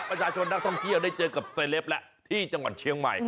ประชาชนนักท่องเที่ยวได้เจอกับเซลปและที่จังหวัดเชียงใหม่